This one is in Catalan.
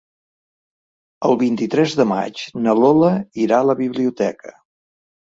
El vint-i-tres de maig na Lola irà a la biblioteca.